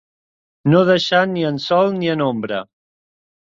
No deixar ni en sol ni en ombra.